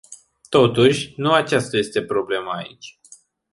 Totuși, nu aceasta este problema aici.